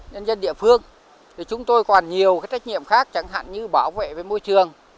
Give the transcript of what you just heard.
nhân dân địa phương thì chúng tôi còn nhiều cái trách nhiệm khác chẳng hạn như bảo vệ với môi trường